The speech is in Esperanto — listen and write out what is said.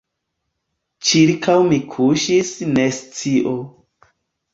Ĉirkaŭ mi kuŝis nescio.